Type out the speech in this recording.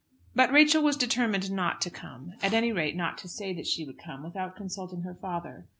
But Rachel was determined not to come, at any rate not to say that she would come without consulting her father.